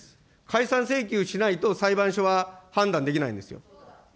解散請求しないと、裁判所は判断できないんですよ。